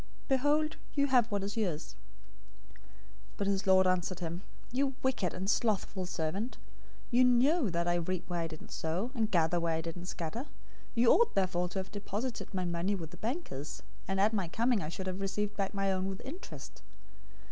Behold, you have what is yours.' 025:026 "But his lord answered him, 'You wicked and slothful servant. You knew that I reap where I didn't sow, and gather where I didn't scatter. 025:027 You ought therefore to have deposited my money with the bankers, and at my coming I should have received back my own with interest.